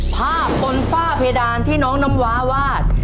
ภาพบนฝ้าเพดานที่น้องน้ำว้าวาด